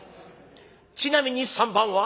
「ちなみに３番は？」。